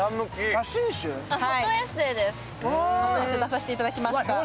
フォトエッセイです、出させていただきました。